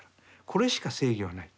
これしか正義はない。